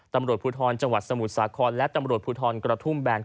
ตำรวจภูทรจังหวัดสมุทรสาครและตำรวจภูทรกระทุ่มแบน